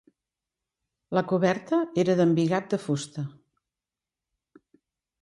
La coberta era d'embigat de fusta.